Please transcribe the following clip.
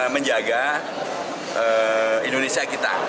menjaga indonesia kita